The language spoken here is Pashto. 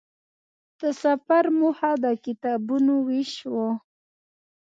د سفر موخه د کتابونو وېش وه.